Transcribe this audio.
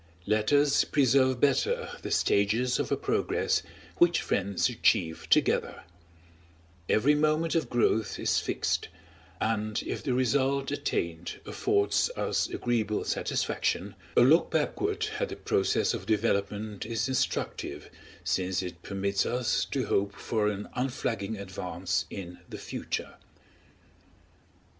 Letters preserve better the stages of a progress which friends achieve together; every moment of growth is fixed, and if the result attained affords us agreeable satisfaction, a look backward at the process of development is instructive since it permits its to hope for an unflagging advance in the future.